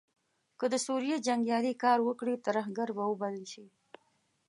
که د سوریې جنګیالې کار وکړي ترهګر به وبلل شي.